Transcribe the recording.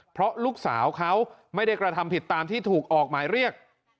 เพราะลูกสาวเขาไม่ได้กระทำผิดตามที่ถูกออกหมายเรียก